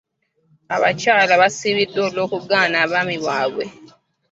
Abakyala baasibiddwa olw'okugaana abaami baabwe.